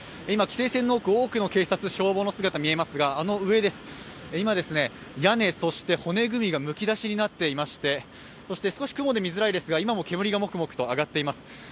今、規制線の奥、多くの警察、消防が見えますがあの上です、今、屋根、そして骨組みがむき出しになっていましてそして少し雲で見づらいですが今も煙がもくもくと上がっています。